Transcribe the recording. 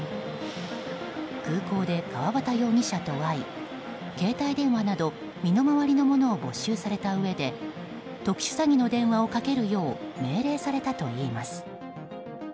空港で川端容疑者と会い携帯電話など身の回りのものを没収されたうえで特殊詐欺の電話をかけるよう命令されたといいます。